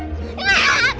gabur aja bang